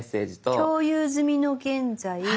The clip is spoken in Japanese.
「共有済みの現在」。